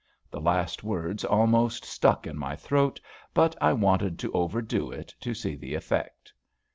The last words almost stuck in my throat; but I wanted to overdo it, to see the effect.